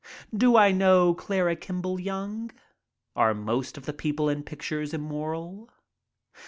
Do I know Clara Kimball Young? Are most of the people in pictures immoral?